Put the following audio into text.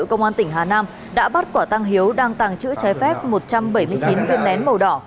công an tỉnh hà nam đã bắt quả tăng hiếu đang tàng trữ trái phép một trăm bảy mươi chín viên nén màu đỏ